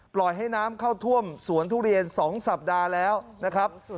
ปล่อยให้น้ำเข้าท่วมสวนทุเรียน๒สัปดาห์แล้วนะครับ